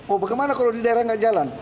oh bagaimana kalau di daerah nggak jalan